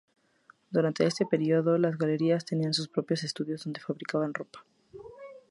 Durante este período, las Galerías tenían sus propios estudios donde fabricaban ropa.